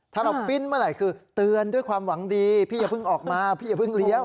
ถ้าเราปิ้นเมื่อไหร่คือเตือนด้วยความหวังดีพี่อย่าเพิ่งออกมาพี่อย่าเพิ่งเลี้ยว